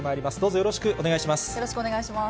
よろしくお願いします。